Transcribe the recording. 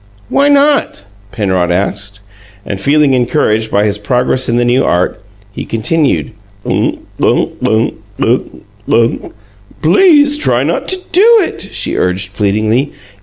"Why not?" Penrod asked, and, feeling encouraged by his progress in the new art, he continued: "Gunk gunk gunk! Gunk gunk " "Please try not to do it," she urged pleadingly.